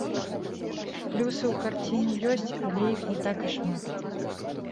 Плюсы ў карціне ёсць, але іх не так і шмат.